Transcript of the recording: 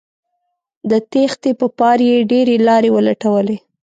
د تېښتې په پار یې ډیرې لارې ولټولې